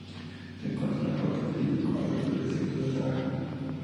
Se encuentra en la parte de Libia ocupada por el desierto del Sahara.